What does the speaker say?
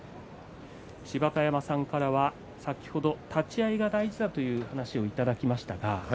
芝田山さんからは先ほど立ち合いが大事だという話をいただきました。